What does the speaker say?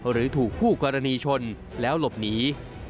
หรือถูกคู่กรณีชนแล้วหลบหนี